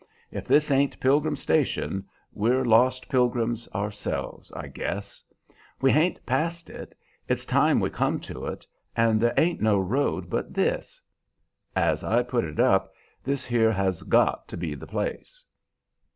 If this ain't Pilgrim Station, we're lost pilgrims ourselves, I guess. We hain't passed it; it's time we come to it, and there ain't no road but this. As I put it up, this here has got to be the place."